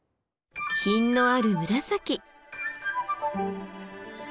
品のある紫。